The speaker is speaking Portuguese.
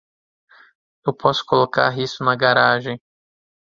Eu posso colocar isso na garagem.